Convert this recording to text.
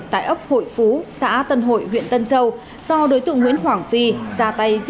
tại ấp hội phú xã tân hội huyện tân châu do đối tượng nguyễn hoàng phi ra tay giết